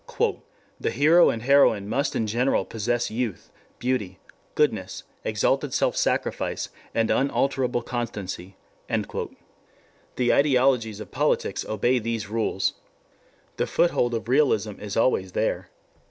"The hero and heroine must in general possess youth, beauty, goodness, exalted self sacrifice, and unalterable constancy."] 4 The ideologies of politics obey these rules. The foothold of realism is always there.